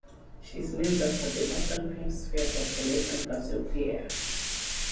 She is named after the northern hemisphere constellation Cassiopeia.